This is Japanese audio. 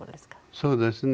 そうですね。